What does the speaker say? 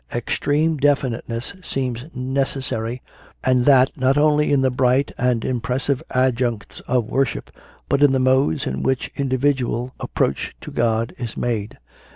Extreme definiteness seems neces 38 CONFESSIONS OF A CONVERT sary, and that, not only in the bright and impressive adjuncts of worship, but in the modes in which individual approach to God is made.